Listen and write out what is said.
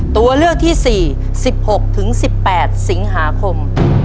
ตัวเลือกที่๔๑๖๑๘สิงหาคม